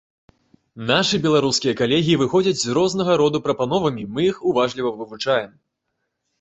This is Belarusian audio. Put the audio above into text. Нашы беларускія калегі выходзяць з рознага роду прапановамі, мы іх уважліва вывучаем.